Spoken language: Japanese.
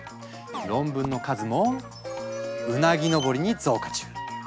論文の数もうなぎ登りに増加中！